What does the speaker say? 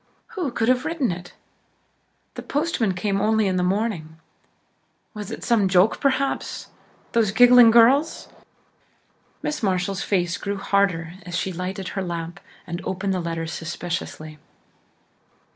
Who could have written it? The postman came only in the morning. Was it some joke, perhaps? Those giggling girls? Miss Marshall's face grew harder as she lighted her lamp and opened the letter suspiciously.